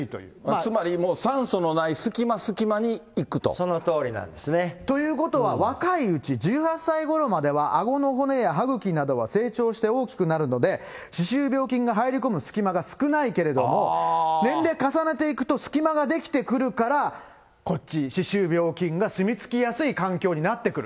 つまり酸素のない隙間隙間にいくと。ということは、若いうち、１８歳ごろまではあごの骨や歯ぐきなどは成長して大きくなるので、歯周病菌が入り込む隙間が少ないけれども、年齢重ねていくと、隙間が出来てくるからこっち、歯周病菌が住み着きやすい環境になってくる。